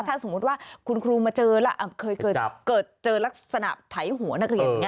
ถ้าสมมติว่าคุณครูมาเจอแล้วเกิดเจอลักษณะไถ้หัวนักเรียนอย่างนี้